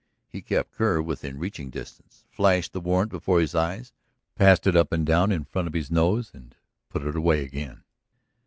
He kept Kerr within reaching distance, flashed the warrant before his eyes, passed it up and down in front of his nose, and put it away again.